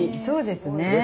そうですね。